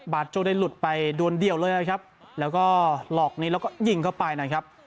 โจ้ได้หลุดไปดวนเดี่ยวเลยนะครับแล้วก็หลอกนี้แล้วก็ยิงเข้าไปนะครับ